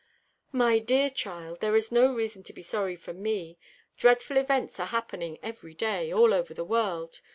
"My dear child, there is no reason to be sorry for me. Dreadful events are happening every day, all over the world.